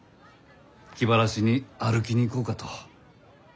気晴らしに歩きに行こうかと。